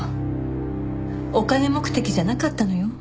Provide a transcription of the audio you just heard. お金目的じゃなかったのよ。